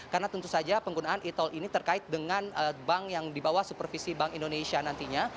karena tentu saja penggunaan e tol ini terkait dengan bank yang dibawah supervisi bank indonesia nantinya